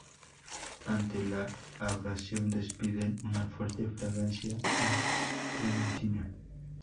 Ante la abrasión despiden una fuerte fragancia a trementina.